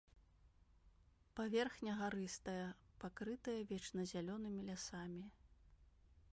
Паверхня гарыстая, пакрытая вечназялёнымі лясамі.